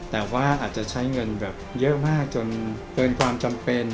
แต่ว่าอาจจะใช้เงินแบบเยอะมากจนเกินความจำเป็น